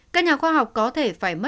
các nhà khoa học có thể phải bảo vệ